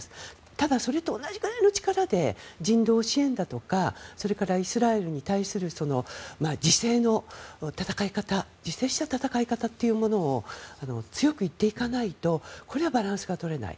ただ、それと同じくらいの力で人道支援だとかそれからイスラエルに対する自制の戦い方自制した戦い方というものを強く言っていかないとこれはバランスが取れない。